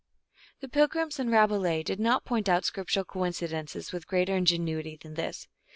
The pilgrims in Rabelais did not point out scriptu ral coincidences with greater ingenuity than this.